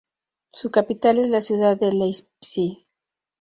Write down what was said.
Su capital es la ciudad de Leipzig.